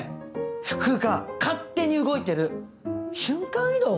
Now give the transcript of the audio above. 服が勝手に動いてる瞬間移動？